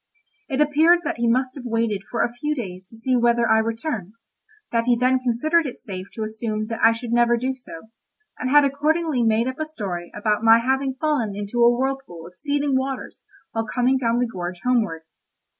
It appeared that he must have waited for a few days to see whether I returned, that he then considered it safe to assume that I should never do so, and had accordingly made up a story about my having fallen into a whirlpool of seething waters while coming down the gorge homeward.